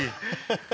ハハハ！